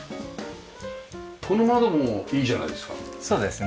この窓もいいじゃないですか。